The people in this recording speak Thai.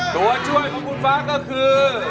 ตัวช่วยของคุณฟ้าก็คือ